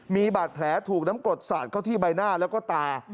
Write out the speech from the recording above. มีบาดแผลถูกน้ำกรดสาดเข้าที่ใบหน้าแล้วก็ตา